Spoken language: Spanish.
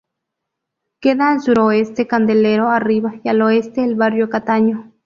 Queda al suroeste Candelero arriba, y al oeste el barrio Cataño.